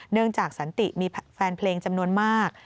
จากสันติมีแฟนเพลงจำนวนมาก